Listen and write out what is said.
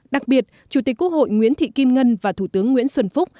đặc biệt chủ tịch quốc hội nguyễn thị kim ngân và thủ tướng nguyễn xuân phúc